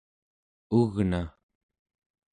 ugna